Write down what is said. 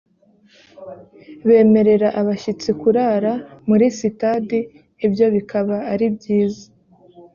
bemerera abashyitsi kurara muri sitade ibyo bikaba ari byiza